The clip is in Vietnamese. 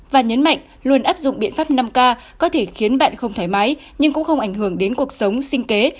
và nhấn mạnh luôn áp dụng biện pháp năm k có thể khiến bạn không thoải mái nhưng cũng không ảnh hưởng đến cuộc sống sinh kế